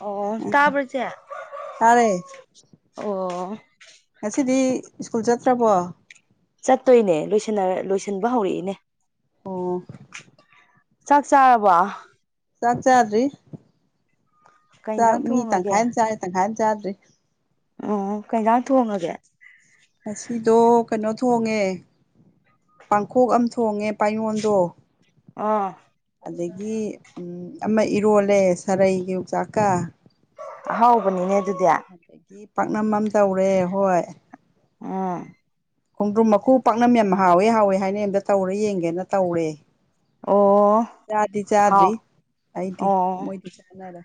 ꯑꯣ ꯇꯥꯕ ꯆꯦ ꯇꯥꯔꯦ ꯑꯣ ꯉꯁꯤꯗꯤ ꯁ꯭ꯀꯨꯜ ꯆꯠꯇ꯭ꯔꯕꯣ ꯆꯠꯇꯣꯏꯅꯦ ꯂ ꯂꯣꯏꯁꯤꯟꯕ ꯍꯧꯔꯛꯏꯅꯦ ꯑꯣ ꯆꯥꯛ ꯆꯥꯔꯕ ꯆꯥꯛꯆꯥꯥꯗ꯭ꯔꯤ ꯀꯩ ꯆꯥꯛ ꯏꯟꯖꯥꯡ ꯃꯤ ꯊꯣꯡꯉꯒꯦ ꯇꯪꯈꯥꯏ ꯑꯃꯥ ꯆꯥꯔꯦ ꯇꯪꯈꯥꯏ ꯑꯃꯥ ꯆꯥꯗ꯭ꯔꯤ ꯑꯣ ꯀꯩꯩ ꯏꯟꯁꯥꯡ ꯊꯣꯡꯉꯥꯒꯦ ꯉꯁꯤꯗꯣ ꯀꯥꯅꯣ ꯊꯣꯡꯉꯦ ꯄꯥꯡꯈꯣꯛ ꯑꯝ ꯊꯣꯡꯉꯦ ꯄꯥꯏꯑꯣꯟꯗꯣ ꯑꯥ ꯑꯗꯥꯒꯤ ꯑꯝ ꯑꯃꯥ ꯏꯔꯣꯜꯂꯦ ꯁꯥꯔꯩꯒ ꯌꯣꯡꯆꯥꯛꯀ ꯑꯍꯥꯎꯕꯅꯤꯅꯦ ꯑꯗꯨꯗꯤ ꯑꯗꯩꯗꯤ ꯄꯥꯛꯅꯝ ꯑꯃꯥ ꯇꯧꯔꯦ ꯍꯣꯏ ꯑꯥ ꯈꯣꯡꯗ꯭ꯔꯨꯝ ꯃꯈꯀ ꯄꯥꯛꯅꯝ ꯌꯥꯝ ꯍꯥꯎꯏ ꯍꯥꯎꯏ ꯍꯥꯏꯅꯩ ꯑꯥꯝꯇ ꯇꯧꯔꯦ ꯌꯦꯡꯒꯦꯅ ꯇꯧꯔꯦ ꯑꯣ ꯆꯥꯗꯤ ꯍꯥꯎ ꯆꯥꯗ꯭ꯔꯤ ꯑꯩꯗꯤ ꯃꯣꯏꯗꯤ ꯆꯥꯅꯔꯦ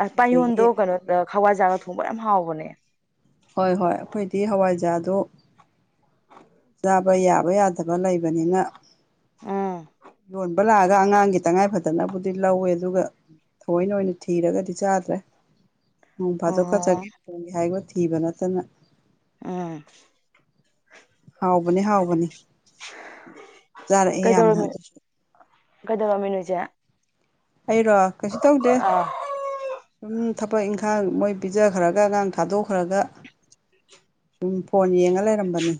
ꯑꯥ ꯑꯗꯒꯤ ꯄꯥꯌꯣꯟꯗꯨ ꯀꯩꯅꯣ ꯍꯋꯥꯏꯖꯥ꯭ꯔꯒ ꯊꯣꯡꯕ ꯌꯥꯝ ꯍꯥꯎꯕꯅꯦ ꯍꯣꯏ ꯍꯣꯏ ꯑꯈꯣꯏꯗꯤ ꯍꯋꯥꯏꯖꯥ꯭ꯔꯗꯨ ꯆꯥꯕ ꯌꯥꯕ ꯌꯥꯗꯕ ꯂꯩꯕꯅꯤꯅ ꯎꯝ ꯂꯣꯟꯕ ꯕꯥꯂꯥꯒ ꯑꯉꯥꯡꯒꯤ ꯇꯉꯥꯏ ꯐꯇꯅꯕꯒꯤ ꯂꯧꯋꯦ ꯑꯗꯨꯒ ꯊꯧꯑꯣꯏꯅ ꯑꯣꯏꯅ ꯊꯤꯔꯒꯗꯤ ꯆꯥꯗ꯭ꯔꯦ ꯅꯣꯡ ꯐꯥꯗꯣꯛꯀꯥ ꯑꯣ ꯆꯒꯦꯝ ꯊꯣꯡꯒꯦ ꯍꯥꯏꯕ ꯊꯤꯕ ꯅꯠꯇꯅ ꯑꯥ ꯍꯥꯎꯕꯅꯦ ꯍꯥꯎꯕꯅꯤ ꯆꯥꯔꯛꯏ ꯌꯥꯝꯅ ꯀꯩꯗꯧꯔꯝꯃꯤ ꯑꯗꯨꯁꯨ ꯀꯩꯗꯧꯔꯝꯃꯤꯅꯣ ꯏꯆꯦ ꯑꯩꯔꯣ ꯀꯩꯁꯨ ꯇꯧꯗꯦ ꯁꯨꯝ ꯊꯥꯕꯛ ꯏꯟꯈꯥꯡ ꯃꯣꯏ ꯄꯤꯖꯥꯈ꯭ꯔꯒ ꯑꯉꯥꯡ ꯊꯥꯗꯣꯛꯈ꯭ꯔꯒ ꯁꯨꯝ ꯐꯣꯟ ꯌꯦꯡꯉꯥ ꯂꯩꯔꯝꯕꯅꯤ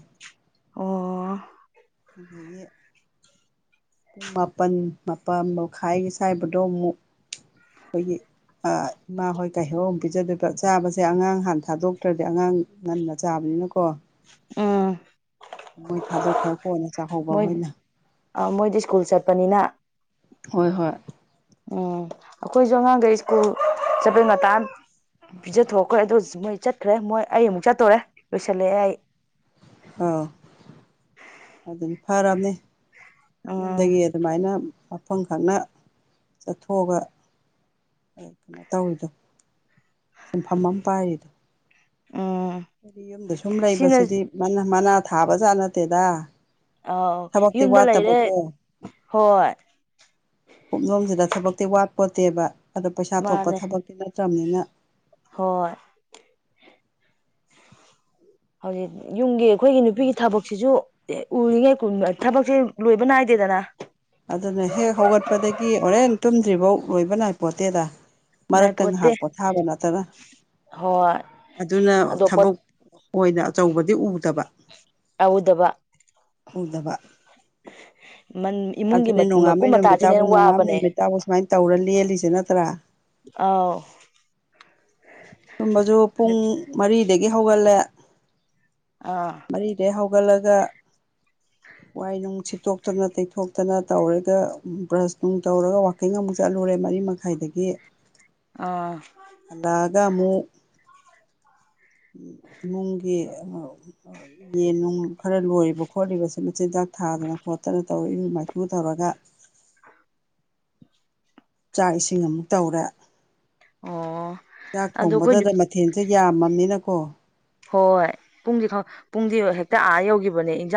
ꯑꯣ ꯑꯗꯥꯒꯤ ꯄꯨꯡ ꯃꯥꯄꯜ ꯃꯥꯄꯜ ꯃꯈꯥꯏꯒꯤ ꯁꯨꯋꯥꯏꯗ ꯃꯨꯛ ꯑꯩꯈꯣꯏꯒꯤ ꯏꯃꯥ ꯍꯣꯏ ꯀꯩꯍꯧꯏ ꯑꯃꯨꯛ ꯄꯤꯖꯥꯗꯣꯏꯕ ꯆꯥꯕꯁꯦ ꯑꯉꯥꯡ ꯍꯥꯟꯅ ꯊꯥꯗꯣꯛꯇ꯭ꯔꯗꯤ ꯑꯉꯥꯡ ꯉꯟꯅꯥ ꯆꯥꯕ ꯂꯩꯗꯅꯀꯣ ꯑꯥ ꯃꯣꯏ ꯊꯥꯗꯣꯛꯈ꯭ꯔꯥ ꯃꯣꯏ ꯃꯣꯏꯗꯤ ꯁ꯭ꯀꯨꯜ ꯆꯠꯄꯥꯅꯤꯅ ꯍꯣꯏ ꯍꯣꯏ ꯑꯥ ꯑꯈꯣꯏꯁꯨ ꯑꯉꯥꯡꯒꯩ ꯁ꯭ꯀꯨꯜ ꯆꯠꯄꯩ ꯉꯟꯇꯥꯅ ꯄꯤꯖꯥꯊꯣꯛꯈ꯭ꯔꯦ ꯑꯗꯨꯁꯨ ꯃꯣꯏ ꯆꯠꯈ꯭ꯔꯦ ꯃꯣꯏ ꯑꯩ ꯑꯃꯨꯛ ꯆꯠꯇꯣꯔꯦ ꯂꯣꯏꯁꯤꯜꯂꯤ ꯑꯩ ꯑꯧ ꯑꯗꯨꯅꯤ ꯐꯔꯝꯅꯤ ꯎꯝ ꯌꯨꯝꯗꯒꯤ ꯑꯗꯨꯃꯥꯏꯟꯅ ꯃꯐꯝ ꯈꯪꯅ ꯆꯠꯊꯣꯛꯑꯥꯒ [inaudible] ꯁꯤꯟꯐꯝ ꯑꯃꯥ ꯄꯥꯏꯔꯤꯗꯨ ꯎꯝ ꯍꯥꯏꯗꯤ ꯌꯨꯝꯗ ꯁꯨꯝ ꯁꯤꯅ ꯂꯩꯕꯁꯤꯗꯤ ꯃꯅꯥ ꯊꯥꯕꯖꯥꯠ ꯅꯠꯇꯦꯗ ꯑꯧ ꯊꯕꯛꯇꯤ ꯌꯨꯝꯗ ꯂꯩꯔꯦ ꯋꯥꯠꯇꯕꯀꯣ ꯀꯨꯞꯅꯣꯝꯁꯤꯗ ꯊꯥꯕꯛꯇꯤ ꯋꯥꯠꯄꯣꯠꯇꯦꯕ ꯃꯥꯅꯦ ꯍꯣꯏ ꯍꯧꯖꯤꯛ ꯌꯨꯝ ꯍꯥꯏꯗꯦꯗꯥꯅ ꯇꯨꯝꯗ꯭ꯔꯤꯐꯕꯥꯎ ꯂꯣꯏꯕ ꯅꯥꯏꯄꯣꯟꯇꯦꯗ ꯃꯔꯛꯇꯥ ꯅꯥꯏꯄꯣꯠꯇꯦ ꯉꯥꯏꯍꯥꯛ ꯄꯣꯊꯥꯕ ꯅꯠꯇꯅ ꯍꯣꯏ ꯑꯗꯨꯅ ꯑꯗꯣ ꯄꯣꯠ ꯊꯥꯕꯛ ꯇꯧꯗꯕ ꯎꯗꯥꯕ ꯏꯃꯨꯡꯒꯤ ꯃꯀꯨꯞ ꯅꯣꯡꯉꯥꯟꯕꯩ ꯃꯇꯥꯁꯤꯅ ꯅꯨꯃꯤꯠꯇꯥꯕꯨ ꯍꯦꯟ ꯅꯣꯡꯉꯥꯟꯕ ꯋꯥꯕꯅꯦ ꯅꯨꯃꯤꯠꯇꯥꯕꯨ ꯁꯨꯃꯥꯏꯅ ꯇꯧꯔ ꯂꯦꯜꯂꯤꯁꯦ ꯅꯠꯇ꯭ꯔꯥ ꯑꯧ ꯇꯨꯝꯕꯁꯨ ꯄꯨꯡ ꯃꯔꯤꯗꯒꯤ ꯍꯧꯒꯠꯂꯦ ꯑꯥ ꯃꯔꯤꯗꯒꯤ ꯍꯧ ꯍꯧꯒꯠꯂꯒ ꯋꯥꯏ ꯅꯨꯡꯁꯤꯠꯇꯣꯛꯇꯅ ꯇꯩꯣꯛ ꯊꯣꯛꯇꯅ ꯇꯧꯔꯒ ꯕ꯭ꯔꯁ ꯅꯨꯡ ꯇꯧꯔꯒ ꯋꯥꯛꯀꯤꯡ ꯑꯃꯨꯛ ꯆꯠꯂꯨꯔꯦ ꯃꯔꯤ ꯃꯈꯥꯏꯗꯒꯤ ꯑꯥ ꯃꯨꯡꯒꯤꯦ ꯌꯦꯟ ꯅꯨꯡ ꯈꯔ ꯂꯣꯏꯔꯤꯕ ꯈꯣꯠꯂꯤꯕꯁ ꯃꯆꯤꯟꯖꯥꯛ ꯊꯥꯗꯅ ꯈꯣꯠꯇꯅ ꯇꯧꯔꯛꯏꯕ ꯃꯆꯨ ꯇꯧꯔꯒ [unintelligible] ꯆꯥꯛ ꯏꯁꯤꯡ ꯑꯃꯨꯛ ꯇꯧꯔꯦ ꯑꯣ ꯆꯥꯛ ꯑꯗꯣ ꯑꯩꯈꯣꯏ ꯊꯣꯡꯕꯗꯗ ꯃꯊꯦꯜꯁꯨꯦ ꯌꯥꯝꯃꯕꯅꯤꯅꯀꯣ ꯍꯣꯏ ꯄꯨꯡꯗꯤ ꯄꯨꯡꯗꯤ ꯍꯦꯛꯇ ꯑꯥ ꯌꯧꯈꯤꯕ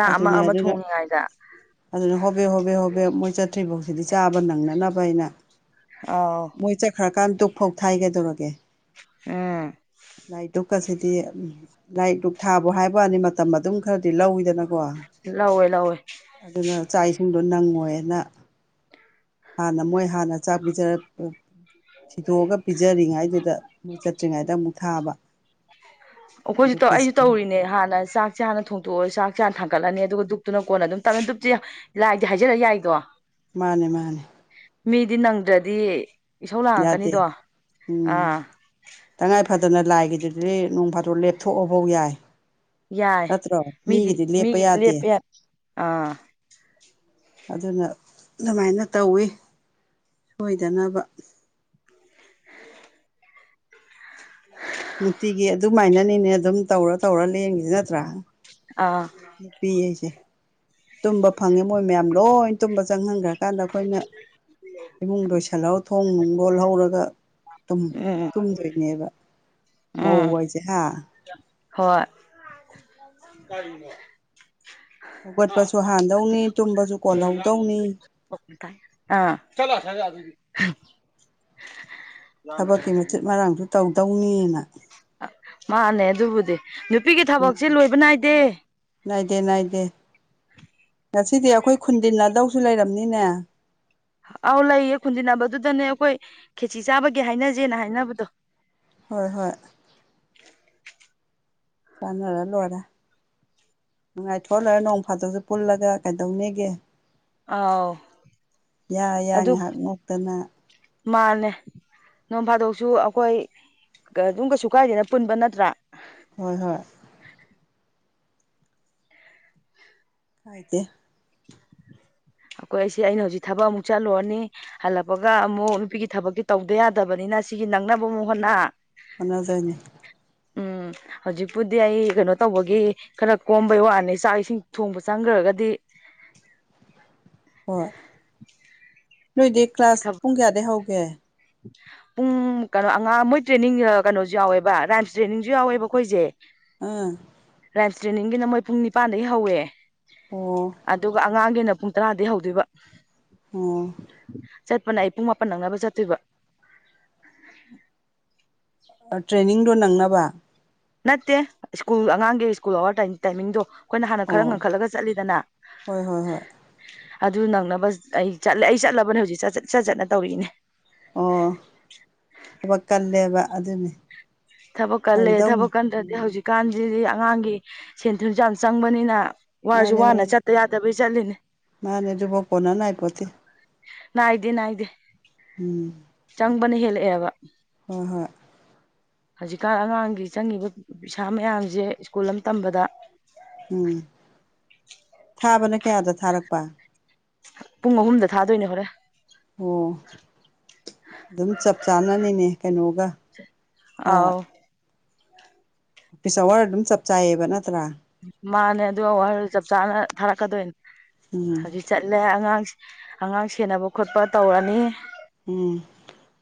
ꯑꯗꯨꯅꯦ ꯑꯗꯨꯅꯦ ꯑꯗꯨꯅꯦ ꯍꯣꯕꯦ ꯍꯣꯕꯦ ꯍꯣꯕꯦ ꯃꯣꯏ ꯆꯠꯇ꯭ꯔꯤꯐꯥꯎꯁꯤꯗꯤ ꯆꯥꯕ ꯅꯪꯅꯅꯕꯅꯕꯥꯏꯅ ꯑꯥꯎ ꯀꯥꯡ ꯇꯛ ꯐꯥꯎ ꯊꯥꯏꯒꯗꯧꯔꯒꯦ ꯎꯝ ꯂꯥꯏ ꯇꯨꯛꯀꯁꯤꯗꯤ ꯂꯥꯏꯔꯤꯛ ꯂꯅꯨꯡꯊꯥꯕꯨ ꯍꯥꯏꯕꯛꯅꯤ ꯃꯇꯝ ꯑꯗꯨꯝ ꯈꯔꯗꯤ ꯂꯧꯤꯗꯅ ꯀꯣ ꯂꯧꯋꯦ ꯂꯧꯋꯦ ꯑꯗꯨꯅ ꯆꯥꯏꯁꯤꯡ ꯑꯗꯨꯣ ꯅꯪꯉꯣꯏꯅ ꯍꯥꯟꯅ ꯃꯣꯏ ꯍꯥꯟꯅ ꯆꯥꯛ ꯄꯤꯖꯔ ꯊꯤꯗꯣꯛꯑꯒ ꯄꯤꯖꯔꯤꯉꯥꯏꯗꯨꯗ ꯃꯣꯏ ꯆꯠꯇ꯭ꯔꯤꯉꯩꯗ ꯑꯃꯨꯛ ꯊꯥꯕ ꯑꯩꯈꯣꯏꯁꯨ ꯇ ꯑꯩꯁꯨ ꯗꯨꯛꯀꯁꯤꯅ ꯇꯧꯔꯤꯅꯦ ꯍꯥꯟꯅ ꯆꯥꯛꯁꯦ ꯍꯥꯟꯅ ꯊꯣꯡꯇꯣꯛꯑꯣ ꯆꯥꯛꯁ ꯍꯅ ꯊꯥꯡꯣꯛ ꯍꯥꯀꯠꯂꯅꯤ ꯑꯗꯨꯒ ꯗꯨꯞꯇꯨꯅ ꯀꯣꯟꯅ ꯑꯗꯨꯝ ꯇ ꯗꯨꯞꯇ ꯂꯥꯏꯗꯤ ꯍꯥꯏꯖꯔ ꯌꯥꯏꯗꯣ ꯃꯥꯅꯦ ꯃꯥꯅꯦ ꯃꯤꯗꯤ ꯅꯪꯗ꯭ꯔꯗꯤ ꯏꯁꯧ ꯌꯥꯗꯦ ꯂꯥꯡꯉꯛꯀꯅꯤꯗꯣ ꯎꯝ ꯑꯥ ꯇꯉꯥꯏ ꯐꯗꯅ ꯂꯥꯏꯒꯤꯗꯨꯗꯤ ꯁꯤꯗꯤ ꯅꯣꯡ ꯐꯥꯗ꯭ꯔꯣ ꯂꯦꯞꯊꯣꯛꯑꯐꯧ ꯌꯥꯏ ꯌꯥꯏ ꯅꯠꯇ꯭ꯔꯣ ꯃꯤꯗꯤ ꯃꯤꯒꯤꯗꯤ ꯂꯦꯞꯄ ꯃꯤꯒꯤꯗꯤ ꯌꯥꯗꯦ ꯌꯥ ꯑꯥ ꯑꯗꯨꯅ ꯑꯗꯨꯃꯥꯏꯅ ꯇꯧꯋꯤ ꯁꯣꯏꯗꯅꯕ ꯅꯨꯡꯇꯤꯒꯤ ꯑꯗꯨꯃꯥꯏꯅꯅꯤꯅꯦ ꯑꯗꯨꯝ ꯇꯧꯔ ꯇꯧꯔ ꯂꯦꯡꯈꯤꯁꯤ ꯅꯠꯇ꯭ꯔꯥ ꯑꯥ ꯅꯨꯄꯤ ꯑꯩꯁꯦ ꯇꯨꯝꯕ ꯐꯪꯉꯦ ꯃꯣꯏ ꯃꯌꯥꯝ ꯂꯣꯏ ꯇꯨꯝꯕ ꯆꯪꯍꯟꯈ꯭ꯔꯒ ꯀꯥꯟꯗ ꯑꯩꯈꯣꯏꯅ ꯏꯃꯨꯡ ꯂꯣꯏꯁꯤꯜꯍꯧ ꯊꯣꯡ ꯅꯨꯡ ꯂꯣꯜꯍꯧꯔꯒ ꯎꯝ ꯇꯨꯝꯗꯣꯏꯅꯦꯕ ꯃꯧ ꯎꯝ ꯍꯥꯏꯁꯦ ꯍꯥ ꯍꯣꯏ ꯍꯧꯒꯠꯄꯁꯨ ꯍꯥꯟꯗꯧꯅꯤ ꯇꯨꯝꯕꯁꯨ ꯀꯣꯜꯍꯧꯗꯧꯅꯤ ꯑꯥ ꯆꯠꯂꯣ ꯍ ꯑꯗꯨꯗꯤ [unintelligible] ꯊꯕꯛꯀꯤ ꯃꯆꯦꯠ ꯃꯔꯥꯡꯁꯨ ꯇꯧꯗꯧꯅꯤꯅ ꯃꯥꯅꯦ ꯑꯗꯨꯕꯨꯗꯤ ꯅꯨꯄꯤꯒꯤ ꯎꯝ ꯊꯕꯛꯁꯤ ꯂꯣꯏꯕ ꯅꯥꯏꯗꯦ ꯅꯥꯏꯗꯦ ꯅꯥꯏꯗꯦ ꯉꯁꯤꯗꯤ ꯑꯩꯈꯣꯏ ꯈꯨꯟꯗꯤꯟꯅꯗꯧꯁꯨ ꯂꯩꯔꯝꯅꯤ ꯏꯟꯅ ꯑꯥꯎ ꯂꯩꯌꯦ ꯈꯨꯟꯖꯤꯟꯅꯕꯗꯨꯗꯅꯦ ꯑꯩꯈꯣꯏ ꯈꯦꯆꯤ ꯆꯥꯕꯒꯤ ꯍꯥꯏꯅꯖꯦꯅ ꯍꯥꯏꯅꯕꯗꯣ ꯍꯣꯏ ꯍꯣꯏ ꯆꯥꯅꯔ ꯂꯔ ꯅꯨꯡꯉꯥꯏꯊꯣꯛꯑ ꯂꯣꯏꯔ ꯅꯣꯡ ꯐꯥꯗꯣꯛꯁꯨ ꯄꯨꯜꯂꯒ ꯀꯩꯗꯧꯅꯦꯒꯦ ꯑꯥꯎ ꯌꯥꯏ ꯌꯥꯏ ꯑꯗꯨ ꯉꯥꯏꯍꯥꯛ ꯉꯣꯛꯇꯅ ꯃꯥꯅꯦ ꯅꯣꯡ ꯐꯥꯗꯣꯛꯁꯨ ꯑꯩꯈꯣꯏ ꯑꯗꯨꯝ ꯀꯩꯁꯨ ꯀꯥꯏꯗꯦꯅ ꯄꯨꯟꯕ ꯅꯠꯇ꯭ꯔꯥ ꯍꯣꯏ ꯍꯣꯏ ꯍꯥꯏꯗꯦ [unintelligible] [unintelligible] ꯑꯩꯈꯣꯏ ꯑꯩꯁꯦ ꯑꯩꯅ ꯍꯧꯖꯤꯛ ꯊꯕꯛ ꯑꯃꯨꯛ ꯆꯠꯂꯨꯔꯅꯤ ꯍꯜꯂꯛꯄꯒ ꯑꯃꯨꯛ ꯅꯨꯄꯤꯒꯤ ꯊꯕꯛꯇꯤ ꯇꯧꯗ ꯌꯥꯗꯕꯅꯤ ꯅ ꯁꯤꯒꯤ ꯅꯪꯅꯕ ꯃꯨꯛ ꯍꯣꯠꯅ ꯍꯣꯠꯅꯗꯣꯏꯅꯤ ꯎꯝ ꯍꯧꯖꯤꯛꯄꯨꯗꯤ ꯑꯩ ꯀꯩꯅꯣ ꯇꯧꯕꯒꯤ ꯈꯔ ꯀꯣꯝꯕꯩ ꯋꯥꯅꯤ ꯆꯥꯛ ꯏꯁꯤꯡ ꯊꯣꯡꯕ ꯆꯪꯈ꯭ꯔꯒꯗꯤ [inaudible] [inaudible] ꯍꯣꯏ ꯅꯣꯏꯗꯤ ꯀ꯭ꯂꯥꯁ ꯄꯨꯡ ꯀꯌꯥꯗꯩ ꯍꯧꯒꯦ ꯄꯨꯡ ꯀꯩꯅꯣ ꯑꯉꯥꯡ ꯃꯣꯏ ꯇ꯭ꯔꯦꯅꯤꯡ ꯀꯩꯅꯣꯁꯨ ꯌꯥꯎꯋꯦꯕ ꯔꯥꯏꯝꯁ ꯇ꯭ꯔꯦꯅꯤꯡꯁꯨ ꯌꯥꯎꯋꯦꯕ ꯑꯩꯈꯣꯏꯁꯦ ꯑꯥ ꯔꯥꯏꯝꯁ ꯇ꯭ꯔꯦꯅꯤꯡꯒꯤꯅ ꯃꯣꯏ ꯄꯨꯡ ꯅꯤꯄꯥꯟꯗꯩ ꯍꯧꯋꯦ ꯑꯣ ꯑꯗꯨꯒ ꯑꯉꯥꯡꯒꯤꯅ ꯄꯨꯡ ꯇꯔꯥꯗꯩ ꯍꯧꯗꯣꯏꯕ ꯑꯣ ꯆꯠꯄꯅ ꯑꯩ ꯄꯨꯡ ꯃꯥꯄꯟ ꯅꯛꯅꯕ ꯆꯠꯇꯣꯏꯕ ꯇ꯭ꯔꯦꯅꯤꯡꯗꯣ ꯅꯪꯅꯕ ꯅꯠꯇꯦ ꯁ꯭ꯀꯨꯜ ꯑꯉꯥꯡꯒꯤ ꯁ꯭ꯀꯨꯜ ꯑꯋꯥꯔ ꯇꯥꯏꯃꯤꯡꯗꯣ ꯑꯩꯈꯣꯏꯅ ꯍꯥꯟꯅ ꯈꯔ ꯑꯣ ꯉꯟꯈꯠꯂꯒ ꯆꯠꯂꯤꯗꯅ ꯍꯣꯏ ꯍꯣꯏ ꯍꯣꯏ ꯑꯗꯨ ꯅꯪꯅꯕ ꯑꯩ ꯆꯠꯂꯦ ꯑꯩ ꯆꯠꯂꯕꯅꯦ ꯍꯧꯖꯤꯛ ꯆꯠ ꯆꯠ ꯆꯠ ꯆꯠꯅ ꯇꯧꯔꯛꯏꯅꯦ ꯑꯣ ꯊꯕꯛ ꯀꯜꯂꯦꯕ ꯑꯗꯨꯅꯦ ꯊꯕꯛ ꯀꯜꯂꯦ ꯊꯕꯛ ꯀꯟꯗ꯭ꯔꯗꯤ ꯍꯧꯖꯤꯛꯀꯥꯟꯁꯤꯗꯤ ꯑꯉꯥꯡꯒꯤ ꯁꯦꯟ ꯊꯨꯝꯁꯨ ꯌꯥꯝ ꯆꯪꯕꯅꯤꯅ ꯋꯥꯔꯁꯨ ꯋꯥꯅ ꯆꯠꯇ ꯌꯥꯗꯕꯩ ꯆꯠꯂꯤꯅꯦ ꯃꯥꯅꯦꯗꯨꯕꯧ ꯀꯣꯅꯅꯥꯏ ꯄꯣꯠꯇꯦ ꯅꯥꯏꯗꯦ ꯅꯥꯏꯗꯦ ꯎꯝ ꯆꯪꯕꯅ ꯍꯦꯜꯂꯛꯑꯦꯕ ꯍꯣꯏ ꯍꯣꯏ ꯍꯧꯖꯤꯛꯀꯥꯟ ꯑꯉꯥꯡꯒꯤ ꯆꯪꯉꯤꯕ ꯄꯩꯁꯥ ꯃꯌꯥꯝꯁꯦ ꯁ꯭ꯀꯨꯜ ꯑꯃ ꯇꯝꯕꯗ ꯎꯝ ꯊꯥꯕꯅ ꯀꯌꯥꯗ ꯊꯥꯔꯛꯄ ꯄꯨꯡ ꯑꯍꯨꯝꯗ ꯊꯥꯗꯣꯏꯅꯦ ꯍꯣꯔꯦꯟ ꯑꯣ ꯑꯗꯨꯝ ꯆꯞ ꯆꯥꯅꯅꯤꯅꯦ ꯀꯩꯅꯣꯒ ꯑꯥ ꯑꯥꯎ ꯑꯣꯐꯤꯁ ꯑꯋꯥꯔ ꯑꯗꯨꯝ ꯆꯞ ꯆꯥꯏꯌꯦꯕ ꯅꯠꯇ꯭ꯔꯥ ꯃꯥꯅꯦ ꯑꯗꯨꯋꯥꯔ ꯆꯞ ꯆꯥꯅ ꯊꯥꯔꯛꯀꯗꯣꯏꯅꯦ ꯎꯝ ꯍꯧꯖꯤꯛ ꯆꯠꯂꯦ ꯑꯉꯥꯡꯁꯤ ꯑꯉꯥꯡ ꯁꯦꯟꯅꯕ ꯈꯣꯠꯄ ꯇꯧꯔꯅꯤ ꯎꯝ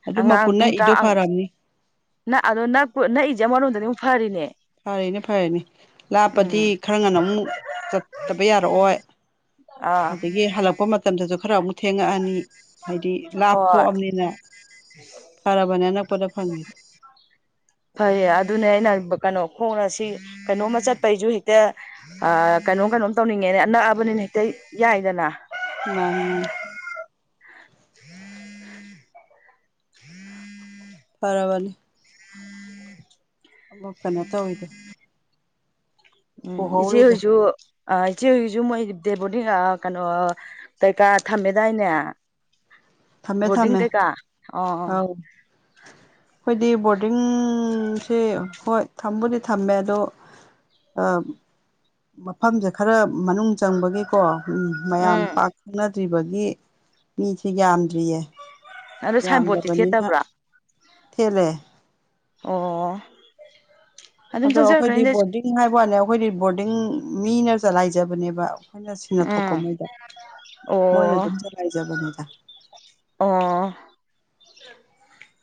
ꯑꯗꯨ ꯃꯄꯨꯟꯅꯛꯏꯗꯨ ꯐꯔꯝꯅꯤ ꯅ ꯑꯗꯣ ꯅꯛꯏꯁꯦ ꯑꯃꯔꯣꯝꯗꯗꯤ ꯑꯃꯨꯛ ꯐꯔꯤꯅꯦ ꯐꯔꯅꯦ ꯐꯔꯦꯅꯦ ꯂꯥ ꯆꯄꯗꯤ ꯎꯝ ꯈꯔ ꯉꯟꯅ ꯑꯃꯨꯛ ꯆꯠꯇꯕ ꯌꯥꯔꯛꯑꯣꯏ ꯑꯥ ꯑꯗꯒꯤ ꯍꯜꯂꯛꯄ ꯃꯇꯝꯗꯁꯨ ꯈꯔ ꯑꯃꯨꯛ ꯊꯦꯡꯉꯛꯑꯅꯤ ꯍꯥꯏꯗꯤ ꯂꯥꯞꯊꯣꯛ ꯍꯣꯏ ꯑꯕꯅꯤꯅ ꯐꯔꯥꯕꯅꯦꯅꯄꯗ ꯐꯪꯉ ꯐꯩꯌꯦ ꯑꯗꯨꯅꯦ ꯑꯩꯅ ꯀꯩꯅꯣ ꯈꯣꯡꯉꯁꯤ ꯀꯩꯅꯣꯝꯃ ꯆꯠ ꯄꯩꯁꯨ ꯍꯦꯛꯇ ꯀꯩꯅꯣꯝ ꯀꯩꯅꯣꯝ ꯇꯧꯅꯤꯡꯉꯦꯅꯦ ꯑꯅꯛꯑꯕꯅꯤꯅ ꯍꯦꯛꯇ ꯌꯥꯏꯗꯅ ꯃꯥꯅꯤ ꯃꯥꯅꯤ ꯎꯝ ꯎꯝ ꯐꯔꯕꯅꯤ ꯎꯝ ꯑꯃꯛ ꯀꯩꯅꯣ ꯇꯧꯋꯤꯗꯣ ꯎꯝ ꯄꯨꯍꯧꯔꯤꯗꯣ ꯏꯆꯦꯍꯧꯁꯨ ꯑ ꯏꯆꯦ ꯍꯧꯖꯤꯛꯁꯨ ꯃꯣꯏ ꯗꯦ ꯕꯣꯔꯗꯤꯡ ꯀꯩꯅꯣ ꯀꯩꯀꯥ ꯊꯝꯃꯦꯗꯥꯏꯅꯦ ꯊꯝꯃꯦ ꯕꯣꯔꯗꯤꯡ ꯊꯝꯃꯦ ꯀꯩꯀꯥ ꯑꯣ ꯑꯧ ꯑꯩꯣꯏꯗꯤ ꯕꯣꯔꯗꯤꯡ ꯁꯤꯦ ꯍꯣꯏ ꯊꯝꯕꯨꯗꯤ ꯊꯝꯃꯦ ꯑꯗꯣ ꯑ ꯃꯐꯝꯁꯦ ꯈꯔ ꯃꯅꯨꯡ ꯆꯪꯕꯒꯤꯀꯣ ꯎ ꯃꯌꯥꯝ ꯎꯝ ꯄꯥꯛ ꯁꯪꯅ ꯗ꯭ꯔꯤꯕꯒꯤ ꯃꯤꯁꯦ ꯌꯥꯝꯗ꯭ꯔꯤꯌꯦ ꯑꯗꯣ ꯁꯥꯏꯟ ꯕꯣꯔꯗꯇꯤ ꯌꯥꯝꯗꯕꯅꯤꯅ ꯊꯦꯠꯇꯕ꯭ꯔꯥ ꯊꯂꯦ ꯑꯣ ꯑꯗꯨꯝ ꯑꯗꯣ ꯑꯩꯈꯣꯏꯗꯤ ꯆꯪꯖꯔꯛꯀꯅꯤꯗ ꯕꯣꯔꯗꯤꯡ ꯍꯥꯏꯕ ꯋꯥꯅꯦ ꯑꯩꯈꯣꯏꯗꯤ ꯕꯣꯔꯗꯤꯡ ꯃꯤꯅ ꯆꯂꯥꯏꯖꯕꯅꯦꯕ ꯑꯩꯈꯣꯏꯅ ꯁꯤꯡꯅ ꯊꯣꯛꯄ ꯎꯝ ꯃꯣꯏꯗ ꯃꯣꯏꯅ ꯑꯣ ꯑꯗꯨꯝ ꯆꯂꯥꯏꯖꯕꯅꯤꯗ ꯑꯣ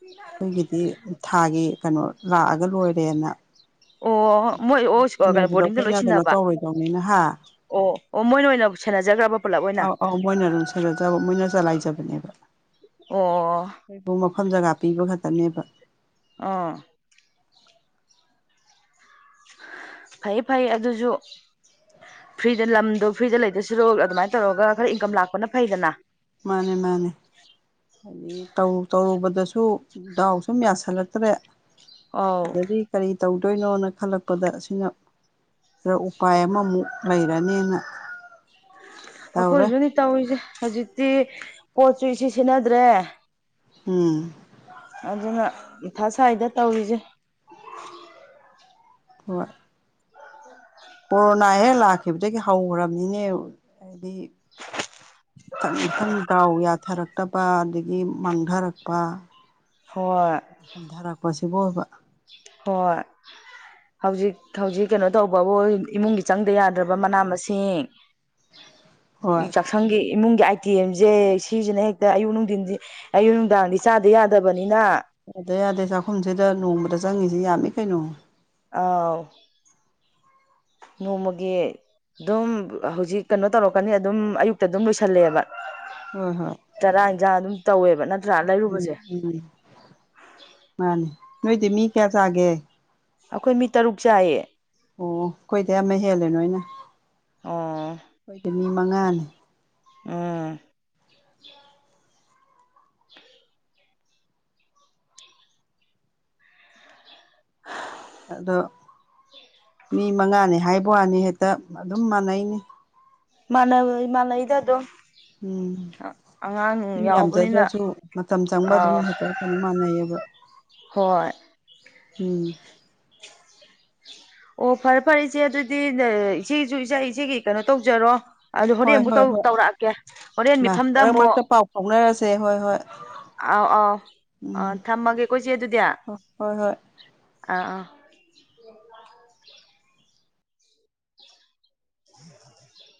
ꯑꯩꯈꯣꯏꯒꯤꯗꯤ ꯊꯥꯒꯤ ꯀꯩꯅꯣ ꯂꯥꯛꯑꯒ ꯂꯣꯏꯔꯦꯅ ꯑꯣ ꯃꯣꯏ ꯑꯣ ꯀꯩꯅꯣ ꯁꯦꯟꯅꯕꯗꯣ ꯕꯣꯔꯗꯤꯡꯗ ꯂꯣꯏ ꯑꯩꯈꯣꯏꯅ ꯀꯩꯅꯣ ꯁꯤꯟꯅꯕ ꯇꯧꯔꯣꯏꯗꯧꯅꯤꯅꯍ ꯑꯣ ꯑꯣ ꯃꯣꯏꯅ ꯑꯣꯏꯅ ꯁꯦꯟꯅꯖꯈ꯭ꯔꯕ ꯄꯨꯂꯞ ꯑꯣꯏꯅ ꯑꯥꯎ ꯑꯥꯎ ꯃꯣꯏꯅ ꯑꯗꯨꯝ ꯁꯗꯕ ꯃꯣꯏꯅ ꯆꯂꯥꯏꯖꯕꯅꯦꯕ ꯑꯣ ꯑꯩꯈꯣꯏꯕꯨ ꯃꯐꯝ ꯖꯒꯥ ꯄꯤꯕ ꯈꯛꯇꯅꯦꯕ ꯑꯥ ꯐꯩ ꯐꯩ ꯑꯗꯨꯁꯨ ꯐ꯭ꯔꯤꯗ ꯂꯝꯗꯣ ꯐ꯭ꯔꯤꯗ ꯂꯩꯗꯁꯤꯔꯣ ꯑꯗꯨꯃꯥꯏꯅ ꯇꯧꯔꯒ ꯈꯔ ꯏꯟꯀꯝ ꯂꯥꯛꯄꯅ ꯐꯩꯗꯅ ꯃꯥꯅꯦ ꯃꯥꯅꯦ ꯍꯥꯏꯗꯤ ꯇꯧꯔꯨꯕꯗꯁꯨ ꯗꯥꯎ ꯁꯨꯝ ꯌꯥꯁꯜꯂꯛꯇ꯭ꯔꯦ ꯑꯧ ꯑꯗꯨꯗꯗꯤ ꯀꯔꯤ ꯇꯧꯗꯣꯏꯅꯣꯅ ꯈꯜꯂꯛꯄꯗ ꯑꯁꯤꯅ ꯈꯔ ꯎꯄꯥꯏ ꯑꯃꯃꯨꯛ ꯂꯩꯔꯅꯦꯅ ꯇꯧꯔꯦ ꯑꯩꯈꯣꯏꯁꯨꯅꯤ ꯇꯧꯔꯤꯁꯦ ꯍꯧꯖꯤꯛꯇꯤ ꯄꯣꯠꯁꯨ ꯏ ꯁꯦꯟꯅꯗ꯭ꯔꯦ ꯎꯝ ꯑꯗꯨꯅ ꯊ ꯁ꯭ꯋꯥꯏꯗ ꯇꯧꯔꯤꯁꯦ ꯍꯣꯏ ꯀꯣꯔꯣꯅꯥ ꯍꯦꯛ ꯂꯥꯛꯈꯤꯕꯗꯒꯤ ꯍꯧꯈ꯭ꯔꯕꯅꯤꯅꯦ ꯍꯥꯏꯗꯤ ꯃꯊꯪ ꯃꯊꯪ ꯗꯥꯎ ꯌꯥꯊꯔꯛꯇꯕ ꯑꯗꯒꯤ ꯃꯥꯡꯊꯔꯛꯄ ꯍꯣꯏ ꯍꯟꯊꯔꯛꯄꯁꯤꯕꯨ ꯑꯣꯏꯕ ꯍꯣꯏ ꯍꯧꯖꯤꯛ ꯍꯧꯖꯤꯛ ꯀꯩꯅꯣ ꯇꯧꯕꯕꯨ ꯏꯃꯨꯡꯒꯤ ꯆꯪꯗ ꯌꯥꯗ꯭ꯔꯕ ꯃꯅꯥ ꯃꯁꯤꯡ ꯍꯣꯏ ꯆꯁꯪꯒꯤ ꯏꯃꯨꯡꯦ ꯦꯝꯁꯦ ꯁꯤꯁꯤꯅ ꯍꯦꯛꯇ ꯑꯌꯨꯛ ꯅꯨꯡꯊꯤꯟꯁꯦ ꯑꯌꯨꯛ ꯅꯨꯡꯗꯥꯡꯗꯤ ꯆꯥꯗ ꯌꯥꯗꯕ ꯌꯥꯗ ꯌꯥꯗꯦ ꯆꯥꯛꯈꯨꯝꯁꯤꯗ ꯅꯣꯡꯃꯗ ꯆꯪꯉꯤꯁꯤ ꯌꯥꯝꯃꯤ ꯀꯩꯅꯣ ꯑꯥꯎ ꯅꯣꯡꯃꯒꯤ ꯑꯗꯨꯝ ꯍꯧꯖꯤꯛ ꯀꯩꯅꯣ ꯇꯧꯔꯛꯀꯅꯤ ꯑꯗꯨꯝ ꯑꯌꯨꯛꯇ ꯑꯗꯨꯝ ꯂꯣꯏꯁꯜꯂꯦꯕ ꯍꯣꯏ ꯍꯣꯏ ꯑꯣꯖꯥ ꯑꯗꯨꯝ ꯇꯧꯋꯦꯕ ꯅꯠꯇ ꯎꯝ ꯎꯝ ꯃꯥꯅꯦ ꯅꯣꯏꯗꯤ ꯃꯤ ꯀꯌꯥ ꯆꯥꯒꯦ ꯑꯩꯈꯣꯏ ꯃꯤ ꯇꯔꯨꯛ ꯆꯥꯏꯌꯦ ꯑꯣ ꯑꯩꯣꯏꯗ ꯑꯃ ꯍꯦꯜꯂꯦ ꯅꯣꯏꯅ ꯑꯣ ꯑꯩꯈꯣꯏꯗꯤ ꯃꯤ ꯃꯉꯥꯅꯤ ꯎ ꯎꯝ ꯑꯗꯣ ꯃꯤ ꯃꯉꯥꯅꯤ ꯍꯥꯏꯕ ꯋꯥꯅꯤ ꯍꯦꯛꯇ ꯑꯗꯨꯝ ꯃꯥꯟꯅꯩꯅꯦ ꯃꯥꯅ ꯃꯥꯅ ꯏ ꯑꯗꯨꯣ ꯎꯝ ꯃꯤ ꯌꯥꯎꯕꯅꯤꯅ ꯌꯥꯝꯖꯗ꯭ꯔꯁꯨ ꯃꯇꯝ ꯆꯪꯕ ꯑꯗꯨꯝ ꯑꯥ ꯍꯥꯏꯇꯥꯔ ꯀꯩꯅꯣ ꯃꯥꯟꯅꯩꯌꯦꯕ ꯍꯣꯏ ꯎꯝ ꯑꯣ ꯐꯔꯦ ꯐꯔꯦ ꯏꯆꯦ ꯑꯗꯨꯗꯤ ꯏꯆꯦꯁꯨ ꯏꯆꯥ ꯏꯆꯦꯒꯤ ꯀꯩꯅꯣ ꯇꯧꯖꯔꯣ ꯑꯗꯨ ꯍꯣꯔꯦꯟ ꯍꯣꯏ ꯑꯃꯨꯛ ꯍꯣꯏ ꯍꯣꯏ ꯇꯧꯔꯛꯑꯀꯦ ꯍꯣꯔꯦꯟ ꯃꯥ ꯃꯤꯐꯝꯗ ꯃꯔꯛ ꯑꯃꯨꯛ ꯃꯔꯛꯇ ꯄꯥꯎ ꯐꯥꯎꯅꯔꯁꯦ ꯍꯣꯏ ꯍꯣꯏ ꯑꯥꯎ ꯑꯥꯎ ꯑꯥ ꯎꯝ ꯊꯝꯃꯒꯦ ꯀꯣꯏꯁꯦ ꯑꯗꯨꯗꯤ ꯑꯥ ꯍꯣꯏ ꯍꯣꯏ ꯑꯥ [inaudible]